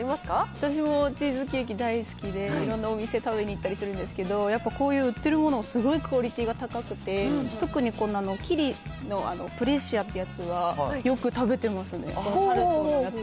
私もチーズケーキ大好きで、いろんなお店、食べに行ったりするんですけど、やっぱりこういう売ってるものすごいクオリティーが高くて、特にこのキリのプレシアというやつはよく食べてますね。